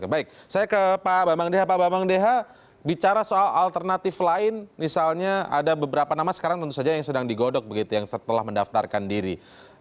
baik saya ke pak bambang deha pak bambang deha bicara soal alternatif lain misalnya ada beberapa nama sekarang tentu saja yang sedang digodok begitu yang setelah mendaftarkan diri